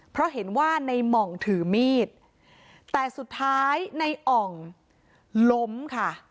เพราะเห็นว่าในหม่องถือมีดแต่สุดท้ายในอ่องล้มค่ะ